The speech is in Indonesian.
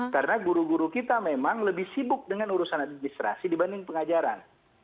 karena guru guru kita memang lebih sibuk dengan urusan administrasi dibanding pengajaran